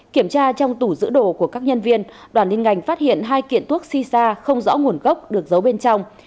kiểm tra trong tủ giữ đồ của các nhân viên đoàn liên ngành phát hiện hai kiện thuốc si sa không rõ nguồn gốc được giấu bên trong